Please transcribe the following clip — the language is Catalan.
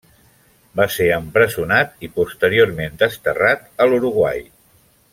Va ser empresonat i posteriorment desterrat a l'Uruguai.